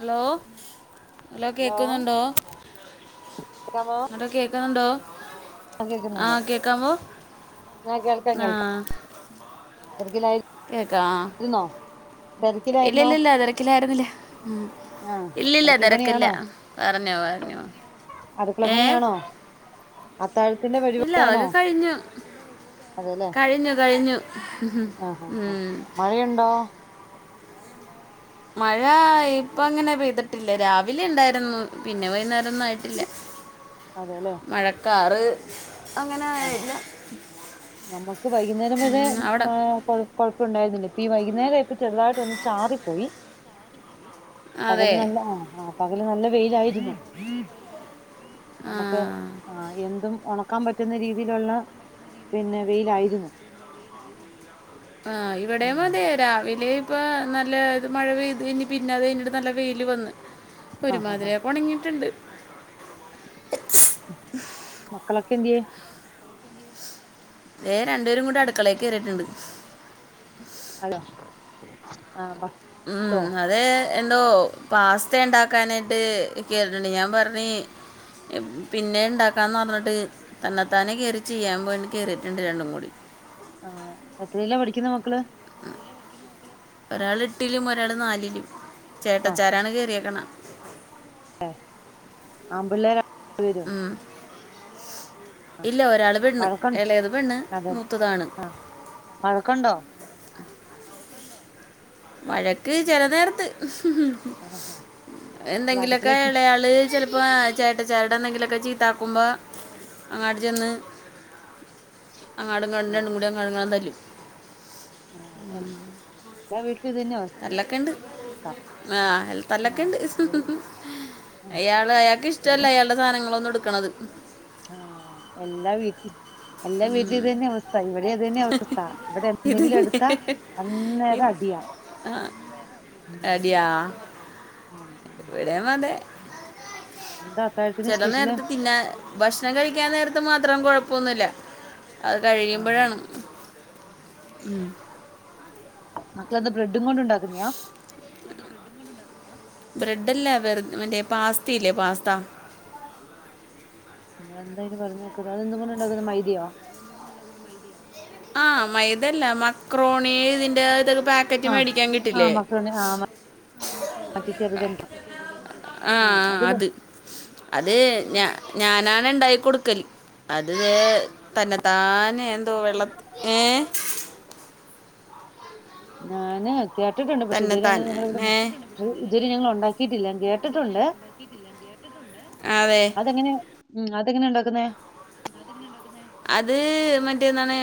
Hello, hello കേക്കുന്നുണ്ടോ കേക്കാമോ ന്നട്ടോ കേ ക്ക്ന്ന്ണ്ടോ ആഹ് കേക്കാമോ? ന്നാ കേൾക്കാം, കേൾക്കാം. തെര്കിലാ കേക്കാ ആഹ്. ഇരുന്നോ? ഇല്ലില്ലില്ലാ തെരക്കിലായിരുന്നില്ല ഉം ആഹ് ഇല്ലല്ല അടുക്കള തെരക്കില്ല പറഞ്ഞോ പറഞ്ഞോ ഏ അടുക്കളപ്പണിയാണോ അത്താഴത്തിന്റെ ഇല്ല പരിപാടിയാണോ അതൊക്കെ കഴിഞ്ഞു അതേല്ലേ കഴിഞ്ഞു കഴിഞ്ഞു ആഹ്- ആഹ്- ആഹ് ഉം. മഴയുണ്ടോ മഴ ഇപ്പ അങ്ങനെ പെയ്തിട്ടില്ല രാവിലെ ഉണ്ടായിരുന്നു പിന്നെ വൈന്നേരൊന്നും ആയിട്ടില്ല [unintelligible] അതെല്ലേ മഴക്കാറ് ആഹ് അങ്ങനെയായില്ല നമുക്ക് വൈകുന്നേരം വരെ മഴ കൊ കൊഴപ്പ ഒണ്ടായിരുന്നില്ല ഇപ്പൊ ഈ വൈകുന്നേരായപ്പൊ ചെറുതായിട്ടൊന്ന് ചാറിപ്പോയി പകല് അതെ നല്ല ആഹ്- ആഹ് പകല് നല്ല വെയിലായിരുന്നു നമുക്ക് ആ ആഹ് എന്തും ഒണക്കാൻ പറ്റുന്ന രീതിയിലുള്ള പിന്നേ വെയിലായിരുന്നു ആഹ് ഇവിടെയും അതേ രാവിലേയും ഇപ്പൊ നല്ല ഇത് മഴ പെയ്ത് കഴിഞ്ഞ് പിന്നെ അത് കഴിഞ്ഞിട്ട് നല്ല വെയില് വന്ന് ഇപ്പൊ ആഹ് ഒരുമാതിരി ആ ഒണങ്ങീട്ടുണ്ട് ഉം മക്കളൊക്കെ എന്ത്യേ ദേ രണ്ടുപേരും കൂടെ അടുക്കളേ കേറീട്ടുണ്ട് ഹലോ ആഹ് പ ഉം അ ത് എന്തോ പാസ്ത ഉണ്ടാക്കാനായിട്ട് കേറീട്ടുണ്ട് ഞാൻ പറഞ്ഞ് പിന്നേ ഇണ്ടാക്കാന്ന് പറഞ്ഞിട്ട് തന്നത്താനെ കയറി ചെയ്യാൻ പോയിണ്ട് കയറിട്ടുണ്ട് രണ്ടും കൂടി ആഹ് എത്രിലാ പഠിക്കുന്നെ മക്കള് ഒരാള് എട്ടിലും ഒരാള് നാലിലും ചേട്ടച്ചാരാണ് കയറിയേക്കണേ ആഹ് ആമ്പിള്ളേരാ വരും ഉം ഇല്ല ഒരാള് പെണ്ണ് വഴക്ക എളയത് പെണ്ണ് മൂത്തതാണ് വഴക്കൊണ്ടോ വഴക്ക് ചെല നേരത്ത് ആഹ് അത് എന്തെങ്കിലൊക്കെ അടുക്കളേക്ക് എളയാള് ചെല ഇപ്പാ ചേട്ട ചേട്ടനെന്തെങ്കിലൊക്കെ ചീത്താക്കുമ്പാ അങ്ങാട്ട് ചെന്ന് അങ്ങാടും ഇങ്ങാണ്ട് ആഹ് രണ്ടും കൂടി അങ്ങാടും ഇണ്ടാടും തല്ലും ആഹ് എല്ലാ വീട്ടിലും ഇതന്നാ അവസ് തല്ലൊക്കൊണ്ട് ആഹ് അൽ തല്ലൊക്കെ ആഹ് ഇവിടെ ഉണ്ട് ആഹ് അയാള് അയാൾക്ക് ഇവിടെ ഇഷ്ടല്ലാ അയാൾടെ സാധങ്ങളൊന്നും എടുക്കണത് ആഹ് എല്ലാ വീട്ടിൽ എല്ലാ വീട്ടിലും ഇതന്നെ അവസ്ഥ ഇവിടെയും അതന്നെ അവസ്ഥ ഇവിടെ ഇത് എന്തെങ്കിലും തന്നെ. എടുത്താ ഇത് അന്നേരം അടിയാ ഉം അടിയാ ആഹ് ആഹ് ഇവിടെയും മതെ എന്താ അത്താഴത്തിന് ചെല സ്പെഷ്യല് നേരത്ത് പിന്നെ ഭക്ഷണം കഴിക്കാൻ നേരത്ത് മാത്രം കുഴപ്പൊന്നുയില്ല അത് ഉം കഴിയുമ്പഴാണ് ഉം മക്കളന്താ ബ്രെഡും കൊണ്ട് ഉണ്ടാക്കുന്നയാ ബ്രെഡല്ലാ വെറു മറ്റേ പാസ്തയില്ലേ പാസ്ത നമ്മൾ എന്താ അതിന് പറയുന്ന കേക്കുന്നത് അതെന്തുക്കൊണ്ട് ഉണ്ടാക്കുന്നെ മൈദയോ ആഹ് മൈദയല്ല മക്രോണി ഇതിന്റെ ഇതൊക്കെ പാ ക്കറ്റ് ആഹ് മേടിക്കാൻ ആഹ് കിട്ടില്ലേ മക്കളുണ്ട് ആഹ് മറ്റേ ചെറുതന്നെ ആഹ് ആഹ് അത് അത് ഞാ ഞാനാണ് ഇണ്ടാക്കി കൊടുക്കല് അത് തന്നെത്താനേ എന്തോ വെള്ള ഏ [inaudible] ഞാന് കേട്ടിട്ടുണ്ട് പക്ഷെ ഇത് വരെ അങ്ങനെ ഞങ്ങള് തന്നെത്താനെ ഇവിടെ- ഇതുവരെ ഞങ്ങള് ഒണ്ടാക്കിയിട്ടില്ല കേട്ടിട്ടുണ്ട് ഉണ്ടാക്കിട്ടില്ല കേട്ടിട്ടുണ്ട് അതെ അതെങ്ങനെയ ഉം അതെങ്ങനെയ ഉണ്ടാക്കുന്നെ അത് മറ്റേ എന്താണ്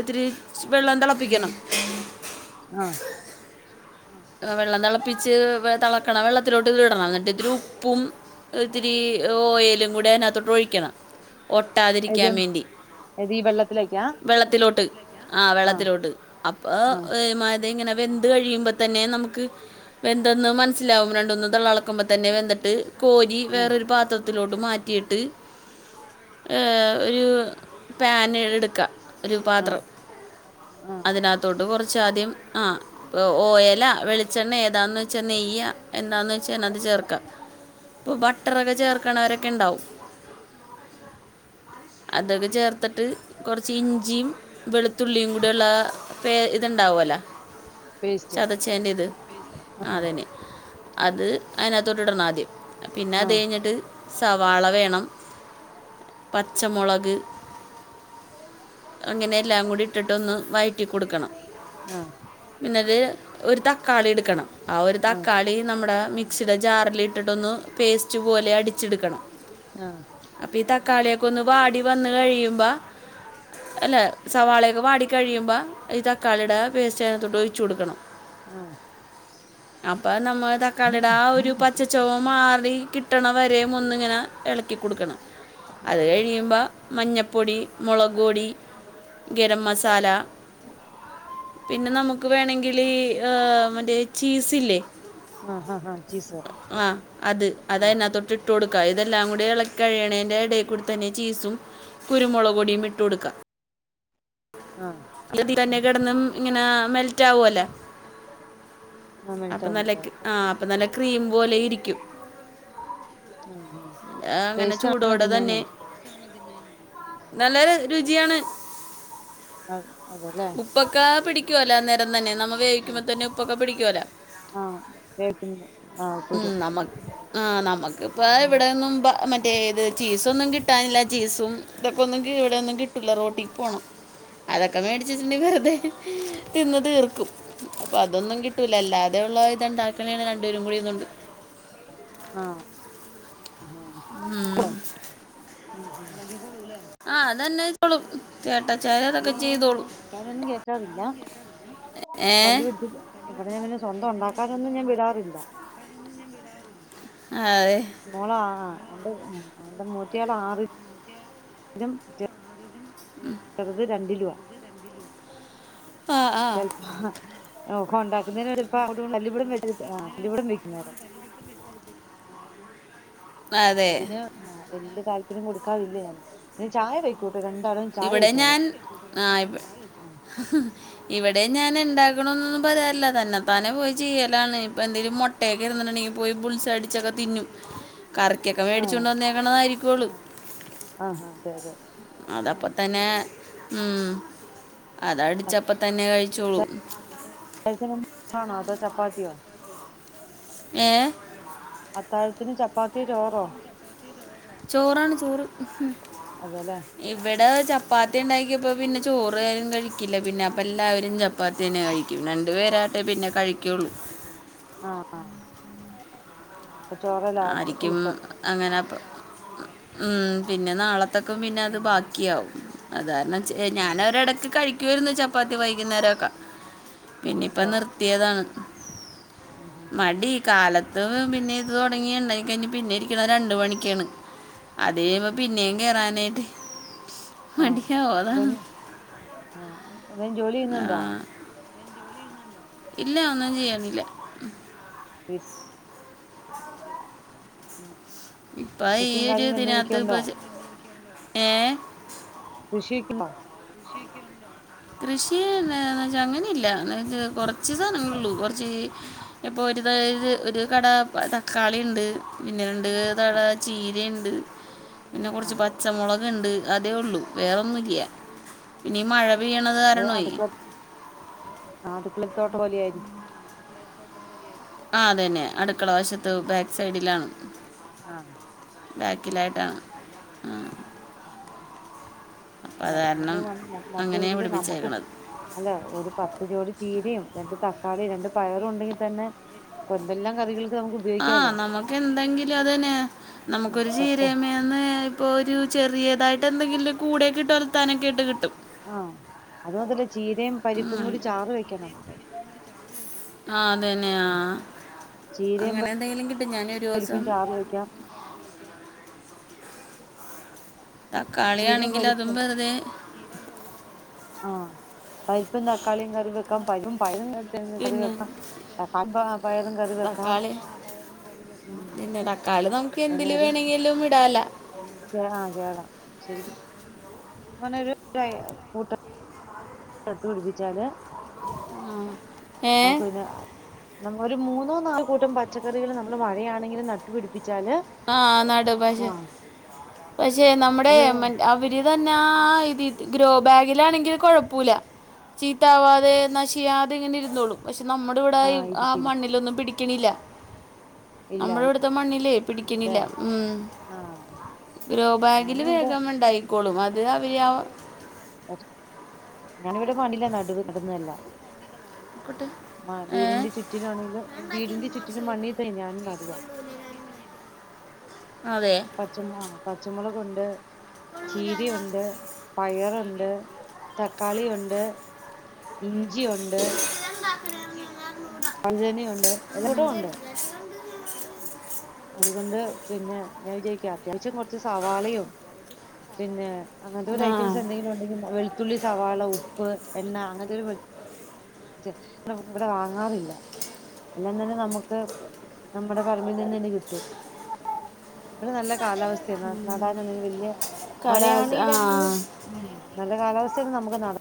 ഇത്തിരി വെള്ളം തെളപ്പിക്കണം ആഹ് വെള്ളം തെളപ്പിച്ച് തെളക്കണ വെള്ളത്തിലോട്ട് ഇത് ഇടണം എന്നിട്ട് ഇത്തിരി ഉപ്പും- ഒത്തിരി ഓയിലും കൂടി അതിനകത്തോട്ട് ഒഴിക്കണം ഒട്ടാതിരിക്കാൻ വേണ്ടി അത് ഈ വെള്ളത്തിലേക്കാ വെള്ളത്തിലോട്ട് ആ വെള്ളത്തിലോട്ട് അപ്പൊ ആ ഇതേ - ദെ ഇങ്ങനെ വെന്തു കഴുമ്പോ- തന്നെ നമുക്ക് വെന്തെന്ന് മനസ്സിലാകും രണ്ടൂന്ന് തെള തെളക്കുമ്പോ തന്നെ വെന്തിട്ട് കോരി ആ വേറൊരു പാത്രം- ത്തിലോട്ട് മാറ്റിയിട്ട് ഒരു പാൻ എടുക്കാം ഒരു ആ പാത്രം ആ അതിനകത്തോട്ട് കൊറച്ച് ആദ്യം ആ ഓയ- അല്ല വെളിച്ചെണ്ണ ഏതാന്ന് വെച്ചാൽ നെയ്യ എന്താണന്ന് വെച്ചാ അതിനാത്ത് ചേർക്കാം ഇപ്പോ ബട്ടറൊക്കെ ചേർക്കണവരൊക്കെ ഉണ്ടാവും അതങ്ങ് ചേർത്ത്- ത്തിട്ട് കൊറച്ച് ഇഞ്ചിയും വെളുത്തുള്ളിയും കൂടി ഉള്ള പേ ഇത് ഉണ്ടാവുമല്ലോ പേസ്റ്റ് ചതച്ചേന്റെറ ഇത് ആ ആ അതന്നെ അത് അതിനതിനകത്തട്ട് ഇടണം ആദ്യം പിന്നെ ആ അത് കഴിഞ്ഞിട്ട്- സവാള വേണം പച്ചമൊളക്- അങ്ങനെ എല്ലാം കൂടി ഇട്ടിട്ടൊന്ന് വഴറ്റി കൊടുക്കണം ആ ആ പിന്നെ അത്- ഒരു തക്കാളി എടുക്കണം ആ ഒരു തക്കാളി നമ്മുടെ മിക്സിയുടെ ജാറില് ഇട്ടിട്ടൊന്ന് പേസ്റ്റ് പോലെ അടിച്ചെടുക്കണം ഉ ആഹ് അപ്പൊ ഈ തക്കാളിയൊക്കെ ഒന്ന് വാടി വന്ന് കഴിയുമ്പം - ആഹ [unintelligible] അല്ല സവാളയൊക്കെ വാടി കഴിയുമ്പോ ഈ തക്കാളിയുടെ പേസ്റ്റ് അതിനാത്തോട്ട് ഒഴിച്ച് കൊടുക്കണം ആഹ് അപ്പൊ നമ്മടെ തക്കാളിയുടെ ആ ഒരു പച്ച ചൊവ മാറി കിട്ടണവരെ ഒന്നിങ്ങനെ- എളക്കി കൊടുക്കണം അത് കഴിയുമ്പം - മഞ്ഞപ്പൊടി മുളക് പൊടി ഗരം മസാല- പിന്നെ നമുക്ക് വേണെങ്കിലെ മറ്റേ ചീസ്‌ ഇല്ലേ ആ ചീസ് - ആഹ് അത് ആ അതിനാത്തോട്ട് ഇട്ട് - ഇട്ട് കൊടുക്കുക ഇതെല്ലാം കൂടി ഇളക്കി കഴിയണതിന്റെ ഇടയിൽ കൂ തന്നെ ചീസും- കുരുമുളക് പൊടീമിട്ട് കൊടുക്കുക ആഹ് അതതി തന്നെ കിടന്നും ഇങ്ങനെ മെൽറ്റ് ആവുവല്ലെ ആ അപ്പൊ മെൽറ്റാവും നല്ല ക് മെൽറ്റാവും അപ്പൊ നല്ല ക്രീം പോലെ ഇരിക്കും ആ ആ അങ്ങനെ ടേസ്റ്റ് ആണോ ചൂടോടെ തന്നെ തിന്നാന് നല്ലൊരു രുചിയാണ് അ അതെല്ലേ ഉപ്പൊക്കെ പിടിക്കുവല്ലാ അന്നേരം തന്നെ നമ്മ വേവിക്കുമ്പോ തന്നെ ഉപ്പൊക്കെ പിടിക്കുവല്ല ആഹ് കേക്കുന്നു ആഹ് ഒരു ആഹ് നമ്മക്കിപ്പ ഇവിടേന്നും മ റ്റേത് ചീസൊന്നും കിട്ടാനില്ല ചീസും ഇതൊക്കെ ഒന്നും ഇവിടെയൊന്നും കിട്ടൂല്ല റോട്ടിക്ക് പോണം അതൊക്കെ മേടിച്ചുവെച്ചിട്ടുണ്ടെങ്കി വെറുതെ തിന്ന് തീർക്കും അപ്പൊ അതൊന്നും കിട്ടൂല്ല അല്ലാതെയുള്ള ഇത്ണ്ടാക്കണേ ണ് രണ്ടുപേരും കൂടി ഇര്ന്നോണ്ട് ഉം. ആഹ് ആഹ് അതന്നെ ഇപ്പളും ചേട്ടച്ചാര് അതൊക്കെ ചെയ്തോളും വേറെഒന്നും കേക്കാറില്ല. ഏ തല്ലു പിടിച്ചിട്ട ഇവിടെ ഞാൻ പിന്നെ സ്വന്തം ഒണ്ടാക്കാനൊന്നും ഞാൻ വിടാറില്ല ആയ് മോളാ ആ എന്റെ എന്റെ മൂത്തയാൾ ആറി ലും ഉം ചെറുത് രണ്ടിലുവാ ആ ആ ചെൽ ഒക്കെ ഉണ്ടാക്കുന്നേനൊരു [unintelligible] [unintelligible] വെക്കുന്നേരം അതെ അതിന് ആ വല്യ താല്പര്യം കൊടുക്കാറില്ല ഞാൻ പിന്നെ ചായ വയ്ക്കൂട്ടോ രണ്ടാളും ചായ വച്ചോളും ആഹ് ഇവ് ഇവിടേം ഞാൻ ഇണ്ടാക്കണന്നൊന്നും പറയാറില്ല തന്നെ താനെ പോയി ചെയ്യലാണ് ഇപ്പ എന്തെലും മൊ ട്ടേക്കെ ഇരുന്നിട്ടൊണ്ടെങ്കിപോയി ബുൾസ് ഐ അടിച്ചൊക്കെ തിന്നും അ കറിക്കൊക്കെ വേടിച്ചു കൊണ്ട് വന്നേക്കണതായിരിക്കൊള്ളൂ ആഹ് ആഹ് അതെ അതെ അതപ്പ തന്നെ ഉം അതടിച്ചപ്പ തന്നെ കഴിച്ചോളും അത്താഴത്തിന് [inaudible] പാണോ അതോ ചപ്പാത്തിയോ ഏഹ് അത്താഴത്തിന് ചപ്പാത്തിയോ ചോറോ ചോറാണ് ചോറ് അതെല്ലേ ഇവിടെ ചപ്പാത്തി ഉണ്ടാക്കിയപ്പോ പിന്നെ ചോറാരും കഴിക്കില്ല പിന്നെ അപ്പ എല്ലാവരും ച പ്പാത്തി തന്നെ കഴിക്കൂ രണ്ടു പേരായിട്ടെ പിന്നെ കഴിക്കൂള്ളൂ ആഹ് ആരിക്കും അങ്ങനെ ഉം പിന്നെ നാളത്തേക്കും ആ പിന്നത് ബാക്കിയാവും അതാരണം ആ ഞാനൊരെടക്ക് കഴിക്കുവായിരുന്നു ചപ്പാത്തി വൈകുന്നേരൊക്കെ പിന്നിപ്പ അതെ നിർത്തിയതാണ് ആ ആ മടി കാലത്തും പിന്നെ ത് തുടങ്ങി എണ്ടാക്കി കഴിഞ്ഞ് പിന്നെ ഇരിക്കണത് രണ്ട് മണിക്കാണ് അത് കഴീമ്പം പിന്നേം കേറാനായിട്ട് ആഹ് എന്താണ് ആഹ് എന്തേലും ജോലി ആ, ചെയ്യുന്നുണ്ടോ ഇല്ല ഒന്നും ചെയ്യണില്ലേ അ ഇപ്പ ഈ ഒരു കാര്യങ്ങളും എന്തെങ്കിലുമൊക്കെ ദിനകത്ത് ഇപ്പ ഉണ്ടോ? ഏഹ് കൃഷിക്കണോ ഉ കൃഷി വച്ച അങ്ങനെ ഇല്ല എന്ന കൊറച്ച് സാധനങ്ങളള്ളൂ കൊറച്ച് ഇപ്പൊ ഒരുതായത് ഒരു കട തക്കാളി ഉണ്ട് പിന്നെണ്ട് തഴ ആഹ് ചീരുണ്ട് പിന്നെ കുറച്ച് ആഹ് പച്ചമുളക് ഉണ്ട് അതേ ഉള്ളൂ വേറെന്നുല്ല അത് അടുക്കള അടുക്കള തോട്ടം പോലെ ആയിരിക്ക ആഹ് അതന്നെ അടുക്കള വശത്ത് ആഹ് ബാക്ക് സൈഡിലാണ് ആഹ് ബാക്കിലായിട്ടാണ് അപ്പം അല്ല അത് കാരണം എന്തെങ്കിലും ന നട്ടു അങ്ങനെ പിടിപ്പിച്ച നമ്മുക്ക് പിടിപ്പിച്ചേക്കണത് അല്ല ഒരു പത്ത് ജോടി ചീരയും രണ്ട് തക്കാളിയും രണ്ട് പയറും ഉണ്ടെങ്കിൽ തന്നെ ന്തെല്ലാം കറികൾ ആഹ നമുക്ക് എന്തെങ്കിലും അതന്നെ ആഹ് നമുക്കൊരു പെട്ട ചീരമന്ന് ഇപ്പോൾ ഒരു ചെറിയതായിട്ട് എന്തെങ്കിലും കൂടെയൊക്കെ ഇട്ട വലുത്താനൊക്കെയിട്ട് കിട്ടും ആഹ അതുമാതല്ലേ ചീരയും പരിപ്പും ഉം. കൂടി ചാറ് വെക്കാം നമുക്ക് ആഹ് അത് തന്നെയാ ചീരയും അങ്ങനെ എന്തെങ്കിലും കിട്ടും ഞാന ഒരു പരിപ്പും ദിവസം ചാറ് [inaudible] ചീരയും തക്കാളിയാണെങ്കില് അതും പരിപ്പും വെറുതെ ആഹ പരിപ്പും തക്കാളിയും കറി വെക്കാൻ പരിപ്പും പ കറി പിന്നെ വെക്കാം കമ്പ പയരും കറി വെക്കാം തക്കാളി ഉം പിന്നെ തക്കാളി നമുക്ക് എന്തില് അതിനൊരു വേണമെങ്കിലും ഇടാല [unintelligible] [unintelligible] നട്ട്പിടിപ്പിച്ചാല് ഏ നമുക്കെന്നെ നമ്മ ഒരു മൂന്നോ നാല് കൂട്ടം പച്ചക്കറികള് നമ്മള് മഴയാണെങ്കിലും നട്ടുപിടിപ്പിച്ചാല് ആഹ് നടും പഷേ ആ പക്ഷെ നമ്മുടെ ഒരു മറ്റേ ഗ്രൗ ബാഗിൽ ആണേൽ കൊയപ്പല്ല ചീത്താവാതെ നശിയാതെ ഇങ്ങനെ ഇരുന്നോളും പക്ഷെ നമ്മുടെ ഇവിട ആ ആഹ് ഇരിക്കും മണ്ണിലൊന്നും പിടിക്കണില്ല ഇല്ല നമ്മുടെ ഇവിടുത്തെ മണ്ണിലേ പിടിക്ക്ന്നില്ല ഉം ആ ഗ്രോബാഗില് ഞാനിവിടെ ണ്ടായിക്കോളും അത് അവര് ഞാനിവിടെ പണില്ല [unintelligible] ആയിക്കോട്ടെ. ആഹ ഏ വീടിന്റെ ചുറ്റിലാണെങ്കിലും വീടിന്റെ ചുറ്റിലും മണ്ണിട്ട് തൈ നടുവാ അതെ പച്ചമുള പച്ചമുളകുണ്ട് ചീരി ഉണ്ട് പയറുണ്ട് തക്കാളിയുണ്ട് ഇഞ്ചിയുണ്ട് വഴുതനയുണ്ട് എല്ലോടം ഉണ്ട് അതുകൊണ്ട് പിന്നെ ഞാൻ വിചാരിക്ക അത്യാവശ്യം കുറച്ച് സവാളയും പിന്നെ അങ്ങനത്തെ ഒരു ആ ഐറ്റംസ് എന്തെങ്കിലും ഉണ്ടെങ്കിൽ വെളുത്തുള്ളി സവാള ഉപ്പ് എണ്ണ അങ്ങനത്തെ ഒരു വിടെ വാങ്ങാറില്ല എല്ലാം തന്നെ നമുക്ക് നമ്മുടെ പറമ്പിന് നിന്ന് തന്നെ കിട്ടും ഇവിടെ നല്ല കാലാവസ്ഥയാണ് നടാനാണെങ്കിൽ വല്യ കലാസ് ആ മഴയാണെങ്കിലും ഉം, നല്ല കാലാവസ്ഥയാണെ നമുക്ക് നടാ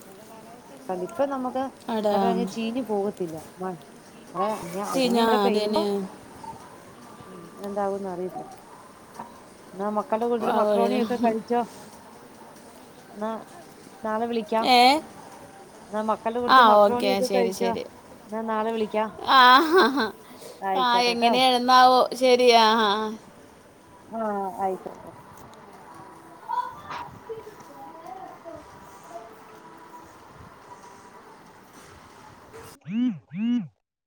കാരണം ഇപ്പ നമ്മക്ക് അടാ [unintelligible] ചീഞ്ഞ് പോവത്തില്ല, മഴ മഴയാണ് [unintelligible] ചീഞ്ഞ ഇഞ്ഞ് ഇബടെ പെയ്യുമ്പം അതിന് ഉം പിന്നെ എന്താവുന്ന് അറിയില്ല ഇന്നാ മക്കൾടെ കൂട്ടത്തില് അവര് മക്രോണിയൊക്കെ കഴിച്ചോ ഇന്നാ നാളെ വിളി ഏഹ് ഇന്നാ മക്കൾടെ കൂട്ടത്തി മക്രോണിയൊക്കെ കഴിച്ചോ ശരി ഇന്നാ നാളെ വിളിക്കാ ആ ആയിക്കോട്ടട്ടോ എന്നാവോ ശെരി ആഹ് ആഹ് ആഹ് ആയിക്കോട്ടെ [inaudible]